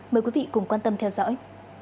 mời quý vị cùng quan tâm theo dõi